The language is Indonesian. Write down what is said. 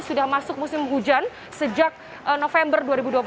sudah masuk musim hujan sejak november dua ribu dua puluh satu